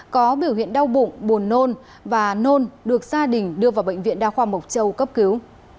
có biểu hiện đau bụng buồn nôn và nôn được gia đình đưa vào bệnh viện đa khoa mộc châu cấp cứu